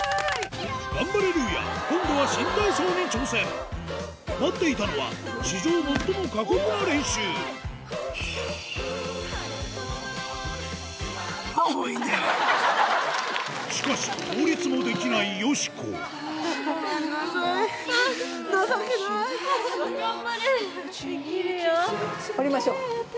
ガンバレルーヤ今度は新体操に挑戦待っていたのは史上最も過酷な練習しかし倒立もできないよしこあっごめん！